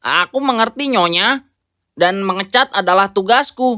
aku mengerti nyonya dan mengecat adalah tugasku